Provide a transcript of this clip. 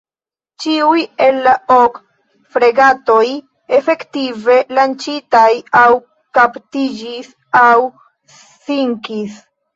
Ĉiuj el la ok fregatoj efektive lanĉitaj aŭ kaptiĝis aŭ sinkis.